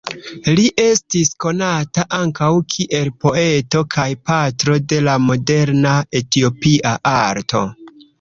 Li estis konata ankaŭ kiel poeto kaj patro de la moderna Etiopia arto.